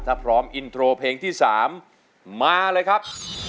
ถ้าพร้อมอินโทรเพลงที่๓มาเลยครับ